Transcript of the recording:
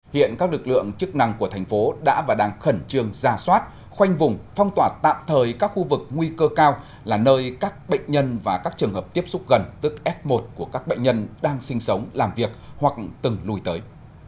hiện các lực lượng chức năng của thành phố đã và đang khẩn trương ra soát khoanh vùng phong tỏa tạm thời các khu vực nguy cơ cao là nơi các bệnh nhân và các trường hợp tiếp xúc gần tức f một của các bệnh nhân đang sinh sống làm việc hoặc từng lùi tới